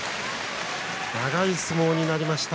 長い相撲になりました。